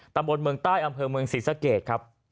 ตำบลเมืองใต้อำเภอเมืองศรีสะเกดครับ